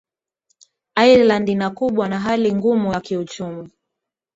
ireland inakubwa na hali ngumu ya kiuchumi